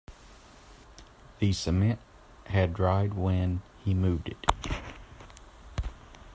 The cement had dried when he moved it.